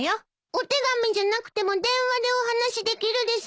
お手紙じゃなくても電話でお話しできるです！